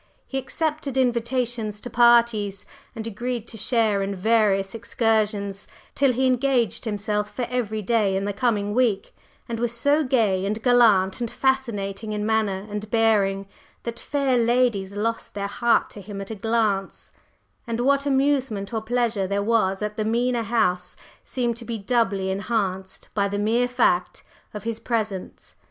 He accepted invitations to parties, and agreed to share in various excursions, till he engaged himself for every day in the coming week, and was so gay and gallant and fascinating in manner and bearing that fair ladies lost their hearts to him at a glance, and what amusement or pleasure there was at the Mena House seemed to be doubly enhanced by the mere fact of his presence.